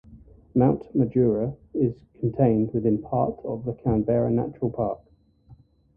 Mount Majura is contained within part of the Canberra Nature Park.